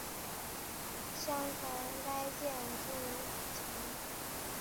民间相传该建筑为曾国荃后裔所建家祠。